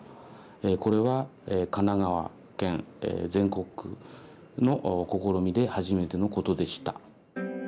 これは神奈川県全国区の試みで初めてのことでした。